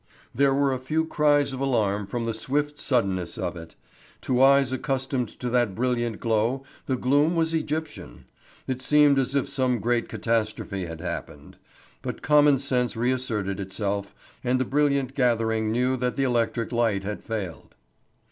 There were a few cries of alarm from the swift suddenness of it. To eyes accustomed to that brilliant glow the gloom was Egyptian. It seemed as if some great catastrophe had happened. But common sense reasserted itself, and the brilliant gathering knew that the electric light had failed.